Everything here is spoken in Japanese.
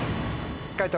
解答